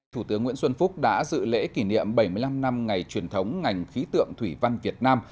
thủ tướng nguyễn xuân phúc đã dự lễ kỷ niệm bảy mươi năm năm ngày truyền thống ngành khí tượng thủy văn việt nam